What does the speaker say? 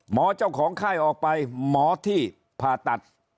เจ้าของไข้ออกไปหมอที่ผ่าตัด